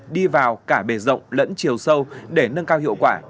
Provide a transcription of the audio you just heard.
đi vào cả bề rộng lẫn chiều sâu để nâng cao hiệu quả